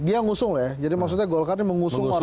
dia ngusung lah ya jadi maksudnya golkar ini mengusung orang lain